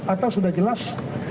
atau sudah jelas